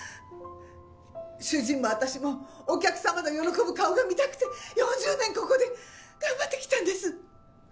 主人も私もお客様の喜ぶ顔が見たくて４０年ここで頑張ってきたんです。